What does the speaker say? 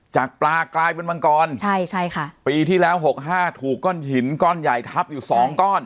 จากปลากลายเป็นมังกรปีที่แล้ว๖๕ถูกก้อนหินก้อนใหญ่ทับอยู่๒ก้อน